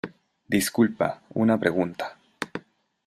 disculpa, una pregunta ,